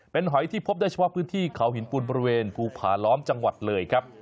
เป็นหอยที่พบได้เฉพาะพื้นที่เขาหินปุ่นบริเวณภูผาล้อมจังหวัดเลยครับ